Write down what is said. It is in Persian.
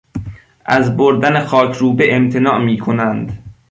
از بردن خاکروبه امتناع میکنند.